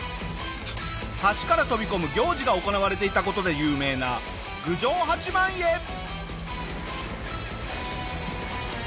橋から飛び込む行事が行われていた事で有名な郡上八幡へ。